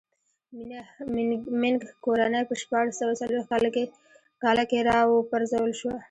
مینګ کورنۍ په شپاړس سوه څلوېښت کاله کې را و پرځول شوه.